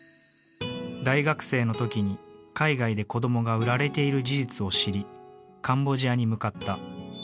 大学生の時に海外で子どもが売られている事実を知りカンボジアに向かった。